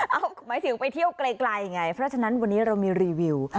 หมายถึงไปเที่ยวไกลไงเพราะฉะนั้นวันนี้เรามีรีวิว